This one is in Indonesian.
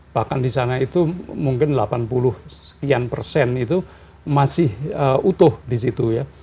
bahkan di sana itu mungkin delapan puluh sekian persen itu masih utuh di situ ya